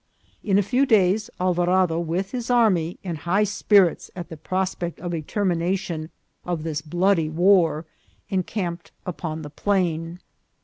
In a few days Alvarado, with his army, in high spirits at the prospect of a termination of this bloody war, encamped upon the plain.